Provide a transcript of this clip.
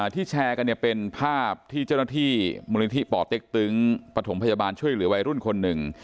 แชร์กันเนี่ยเป็นภาพที่เจ้าหน้าที่มูลนิธิป่อเต็กตึงปฐมพยาบาลช่วยเหลือวัยรุ่นคนหนึ่ง